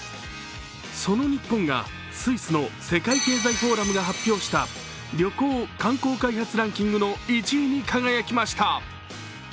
その日本が、スイスの世界経済フォーラムが発表した旅行・観光開発ランキングの１位に輝きました。